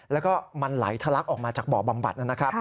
แล้วก็มันไหลถลักออกมาจากบ่อบำบัด